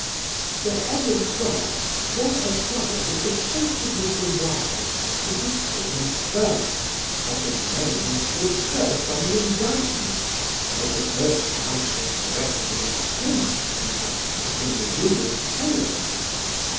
Sir Edward Clarke then applied that the case of Mr. Wilde should be taken first as his name stood first on the indictment, and as the first count was directed against him and had nothing to do with Taylor....